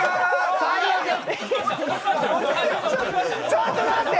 ちょっと待って！